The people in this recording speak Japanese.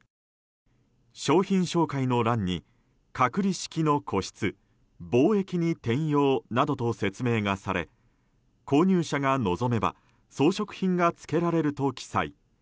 商品紹介の欄に隔離式の個室、防疫に転用などと説明がされ、購入者が望めば装飾品がつけられると記載。